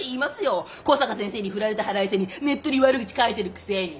小坂先生に振られた腹いせにネットに悪口書いてるくせに。